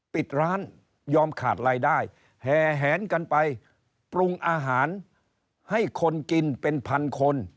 ปิดร้านยอมขาดรายได้แห่แหนกันไปปรุงอาหารให้คนกินเป็นพันคน